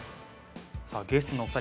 さあゲストのお二人。